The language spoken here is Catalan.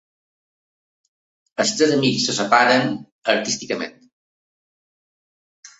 Els tres amics se separen, artísticament.